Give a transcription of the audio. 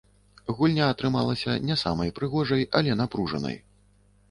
Гульня атрымалася не самай прыгожай, але напружанай.